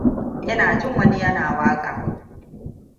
Ina jin wani yana waka.